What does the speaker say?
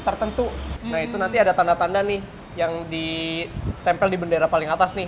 tertentu nah itu nanti ada tanda tanda nih yang ditempel di belakang kapal ini jadi itu adalah